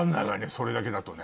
それだけだとね。